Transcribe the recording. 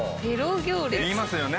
言いますよね